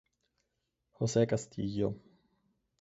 José Castillo